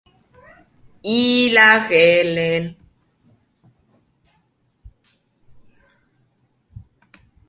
Estas transiciones permiten al autómata cambiar de estado sin procesar ningún símbolo de entrada.